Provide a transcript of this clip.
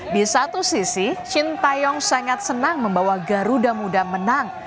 di satu sisi shin taeyong sangat senang membawa garuda muda menang